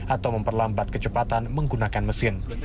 atau memperlambat kecepatan menggunakan mesin